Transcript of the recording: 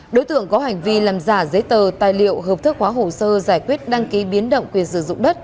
đối tượng có hành vi làm giả giấy tờ tài liệu hợp thức hóa hồ sơ giải quyết đăng ký biến động quyền sử dụng đất